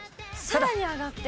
さらに上がって。